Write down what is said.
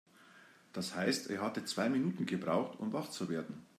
Das heißt, er hatte zwei Minuten gebraucht, um wach zu werden.